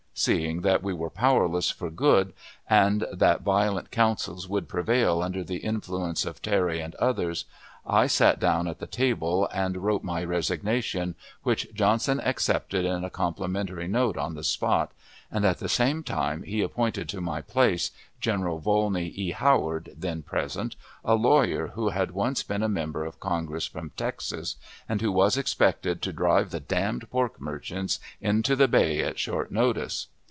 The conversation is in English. Seeing that we were powerless for good, and that violent counsels would prevail under the influence of Terry and others, I sat down at the table, and wrote my resignation, which Johnson accepted in a complimentary note on the spot, and at the same time he appointed to my place General Volney E. Howard, then present, a lawyer who had once been a member of Congress from Texas, and who was expected to drive the d d pork merchants into the bay at short notice.